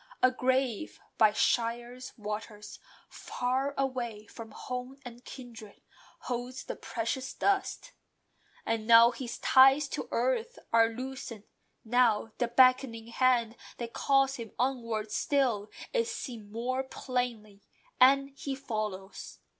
A grave by Shire's Waters, far away From home and kindred, holds the precious dust. And now his ties to earth are loosened: now, The beckoning Hand that calls him onwards still, Is seen more plainly, and he follows.